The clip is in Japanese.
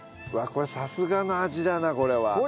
うわっさすがの味だなこれは。